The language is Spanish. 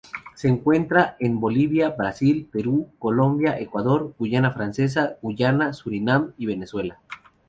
Se encuentra en Bolivia, Brasil, Perú, Colombia, Ecuador, Guayana Francesa, Guyana, Surinam y Venezuela.